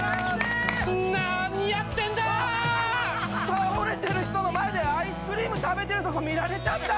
倒れてる人の前でアイスクリーム食べてるとこ見られちゃった